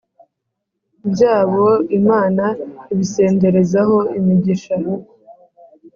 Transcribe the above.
byabo imana ibisenderezaho imigisha,